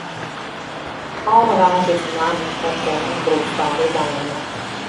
Alle woansdeitemoarnen komt dêr in groep froulju byinoar.